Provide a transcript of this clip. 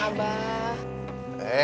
terima kasih ya kang abah